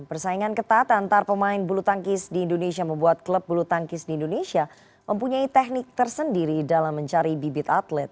persaingan ketat antar pemain bulu tangkis di indonesia membuat klub bulu tangkis di indonesia mempunyai teknik tersendiri dalam mencari bibit atlet